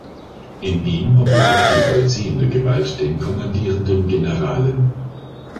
In ihm oblag die vollziehende Gewalt den Kommandierenden Generalen.